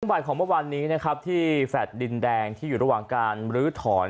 บ่ายของเมื่อวานนี้นะครับที่แฟลต์ดินแดงที่อยู่ระหว่างการลื้อถอน